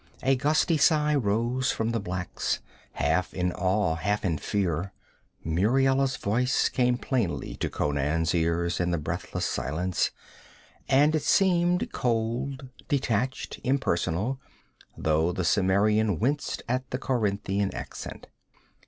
A gusty sigh rose from the blacks, half in awe, half in fear. Muriela's voice came plainly to Conan's ears in the breathless silence, and it seemed, cold, detached, impersonal, though the Cimmerian winced at the Corinthian accent.